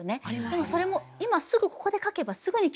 でもそれも今すぐここで書けばすぐに共有できる。